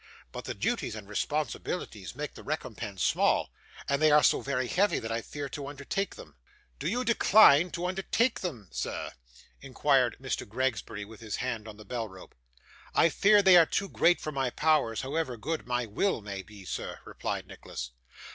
But the duties and responsibilities make the recompense small, and they are so very heavy that I fear to undertake them.' 'Do you decline to undertake them, sir?' inquired Mr. Gregsbury, with his hand on the bell rope. 'I fear they are too great for my powers, however good my will may be, sir,' replied Nicholas.